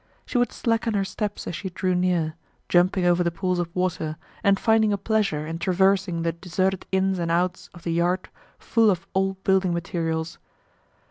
She would slacken her steps as she drew near, jumping over the pools of water, and finding a pleasure in traversing the deserted ins and outs of the yard full of old building materials.